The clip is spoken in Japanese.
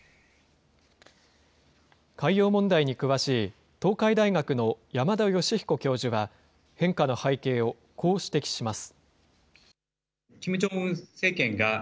海洋問題に詳しい東海大学の山田吉彦教授は、変化の背景をこう指摘します。